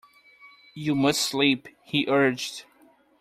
You must sleep, he urged.